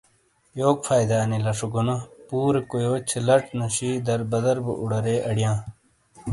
یوک فائدہ انی لچھہ گونو ؟ پورے کویوچ سے لچ نوشی دربدر بو اڈارے اڑیاں۔